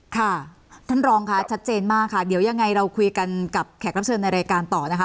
ค่ะท่านรองค่ะชัดเจนมากค่ะเดี๋ยวยังไงเราคุยกันกับแขกรับเชิญในรายการต่อนะคะ